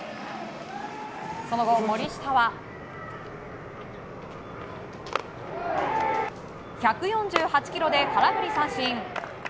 その後、森下は１４８キロで空振り三振！